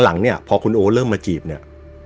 หลังเนี่ยพอคุณโอเริ่มมาจีบเนี่ย